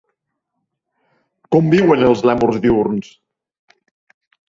Com viuen els lèmurs diürns?